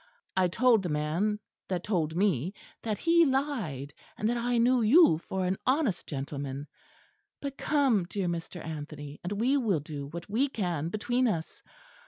I told the man that told me, that he lied and that I knew you for an honest gentleman. But come, dear Mr. Anthony; and we will do what we can between us.